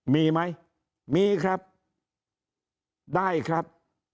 มีไหมมีครับได้ครับ